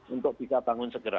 untuk bisa bangun segera